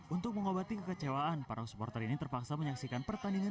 untuk mengobati kekecewaan para supporter ini terpaksa menyaksikan pertandingan